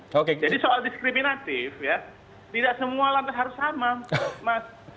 jadi soal diskriminatif ya tidak semua lantas harus sama mas